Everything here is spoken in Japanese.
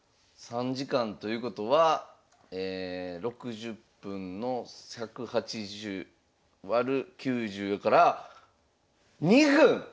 ３時間ということは６０分の１８０割る９０やから２分！